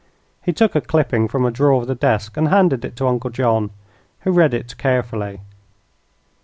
He took a clipping from a drawer of the desk and handed it to Uncle John, who read it carefully.